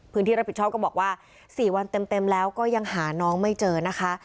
พื้นที่รับผิดชอบก็บอกว่า๔วันเต็มแล้วก็ยังหาน้องไม่เจอนะคะ